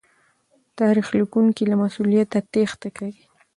تاريخ ليکونکي له مسوليته تېښته کوي.